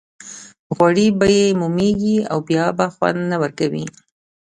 غوړي به یې مومېږي او بیا به خوند نه ورکوي.